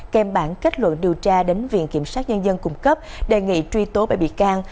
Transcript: kèm bản kết luận điều tra đến viện kiểm sát nhân dân cung cấp đề nghị truy tố bảy bị can